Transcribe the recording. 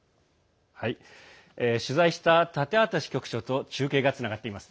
取材した建畠支局長と中継がつながっています。